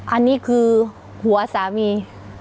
อันนี้คือหัวสามี